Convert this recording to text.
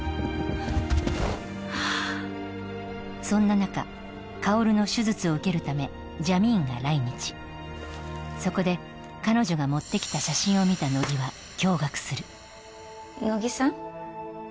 そんな中薫の手術を受けるためジャミーンが来日そこで彼女が持ってきた写真を見た乃木は驚がくする乃木さん？